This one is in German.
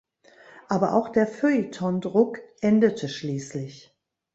Aber auch der Feuilleton-Druck endete schließlich.